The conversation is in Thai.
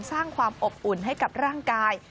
สร้างความอบอุ่นให้กับร่างกาย